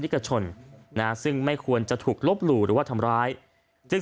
กชนนะซึ่งไม่ควรจะถูกลบหลู่หรือว่าทำร้ายจึง